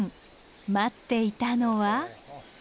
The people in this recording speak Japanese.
待っていたのは。